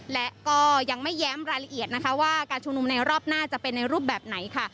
และก็ยังไม่แย้มรายละเอียดนะคะว่าการชุมนุมในรอบหน้าจะเป็นในรูปแบบไหนค่ะ